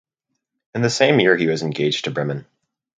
In the same year he was engaged to Bremen.